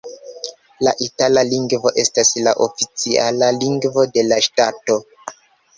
La itala lingvo estas la oficiala lingvo de la ŝtato.